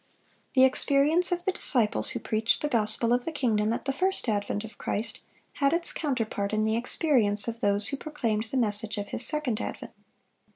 The experience of the disciples who preached the "gospel of the kingdom" at the first advent of Christ, had its counterpart in the experience of those who proclaimed the message of His second advent.